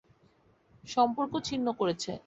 সম্পর্ক ছিন্ন করেছে।